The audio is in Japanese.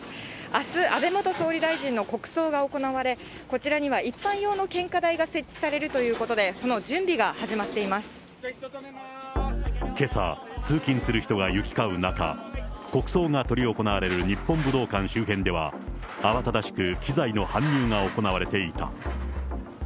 あす、安倍元総理大臣の国葬が行われ、こちらには一般用の献花台が設置されるということで、けさ、通勤する人が行き交う中、国葬が執り行われる日本武道館周辺では、慌ただしく機材の搬入が行われていた。